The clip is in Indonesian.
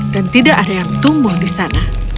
dan tidak ada yang tumbuh di sana